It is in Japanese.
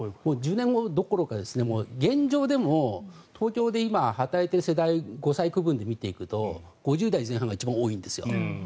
１０年後どころか現状でも東京で今、働いている世代５歳区分で見ていくと５０代前半が一番多いんです。